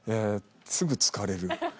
すぐ疲れる。